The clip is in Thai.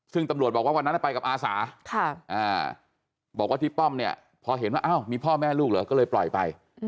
ซึ่งตำรวจว่าวันนะมันไปกับอาสาบอกว่าที่ป้อมพอเห็นว่ามีพ่อไม่ลูกเลยก็เลยปล่อยไป